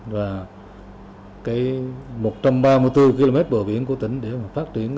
và một trăm ba mươi bốn km bờ biển của tỉnh để mà phát triển